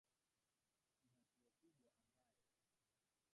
ni hatua kubwa ambae